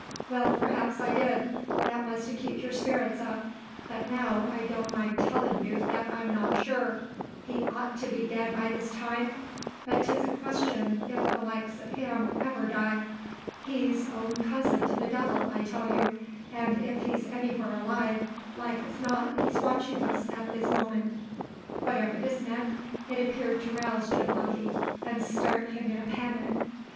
Well, perhaps I did. That was to keep your spirits up. But now I don't mind tellin' you that I'm not sure. He ought to be dead by this time; but 'tis a question if the likes of him ever die. He's own cousin to the devil, I tell you; and if he's anywhere alive, like as not he's watching us at this moment." Whatever this meant, it appeared to rouse Jim Lucky, and start him in a panic.